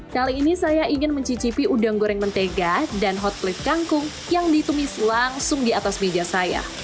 kali ini saya ingin mencicipi udang goreng mentega dan hot plate kangkung yang ditumis langsung di atas meja saya